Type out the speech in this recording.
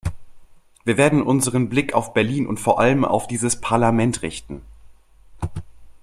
Wir werden unseren Blick auf Berlin und vor allem auf dieses Parlament richten.